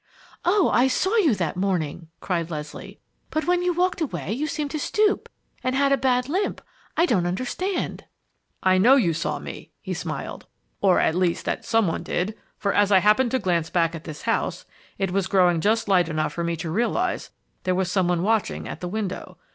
"Oh, I saw you that morning!" cried Leslie. "But when you walked away you seemed to stoop and had a bad limp! I don't understand!" "I know you saw me," he smiled, "or, at least, that some one did, for as I happened to glance back at this house, it was growing just light enough for me to realize there was some one watching at the window.